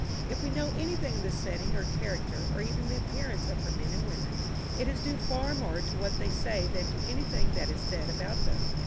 If we know anything of the setting or character or even the appearance of her men and women, it is due far more to what they say than to anything that is said about them.